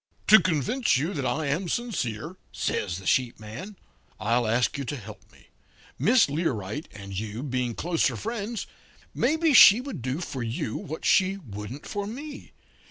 "'To convince you that I am sincere,' says the sheep man, 'I'll ask you to help me. Miss Learight and you being closer friends, maybe she would do for you what she wouldn't for me.